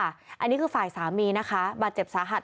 อันนี้คือฝ่ายสามีนะคะบาดเจ็บสาหัส